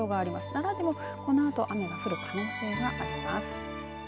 奈良でも、このあと雨が降る可能性があります。